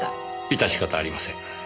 致し方ありません。